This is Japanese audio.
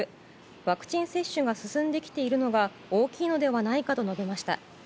ワクチン接種が進んできているのが大きいのではないかと述べました。